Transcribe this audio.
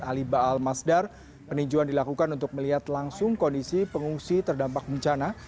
ali baal masdar peninjuan dilakukan untuk melihat langsung kondisi pengungsi terdampak bencana